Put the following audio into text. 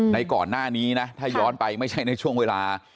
ก่อนหน้านี้นะถ้าย้อนไปไม่ใช่ในช่วงเวลา